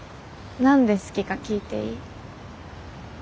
何で好きか聞いていい？